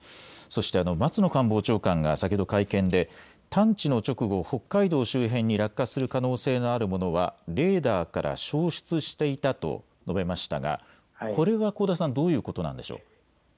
松野官房長官が先ほど会見で探知の直後、北海道周辺に落下する可能性のあるものはレーダーから消失していたと述べましたがこれは香田さん、どういうことなんでしょう。